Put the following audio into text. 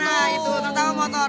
nah itu terutama motor